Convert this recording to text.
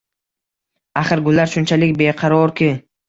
Axir, gullar shunchalik beqarorki!..